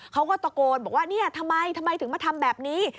เขาก็ตะโกนบอกว่าทำไมถึงมาทำแบบนี้